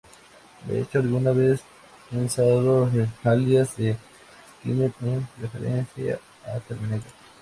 De hecho, alguna vez ha usado el alias de Skynet, en referencia a "Terminator".